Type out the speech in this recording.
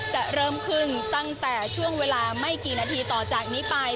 จะเริ่มขึ้นตั้งแต่ช่วงเวลาไม่กี่นาทีต่อจากนี้ไป